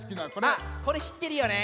あっこれしってるよね。